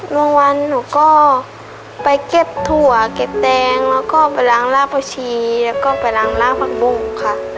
บางวันหนูก็ไปเก็บถั่วเก็บแตงแล้วก็ไปล้างลากผักชีแล้วก็ไปล้างลากผักบุ้งค่ะ